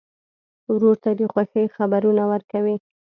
ورور ته د خوښۍ خبرونه ورکوې.